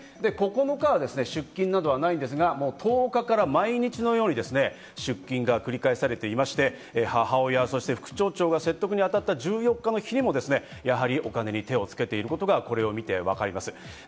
９日は出金などはないんですが、１０日から毎日のように出金が繰り返されていまして、母親、そして副町長が説得にあたった１４日の日にも、やっぱりお金に手をつけていることがこれを見て分かります。